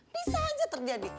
bisa aja terjadi